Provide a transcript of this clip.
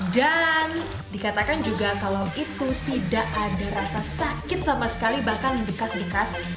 dan dikatakan juga kalau itu tidak ada rasa sakit sama sekali bahkan dikas dikas